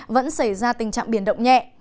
vẫn xảy ra tình trạng biển động nhẹ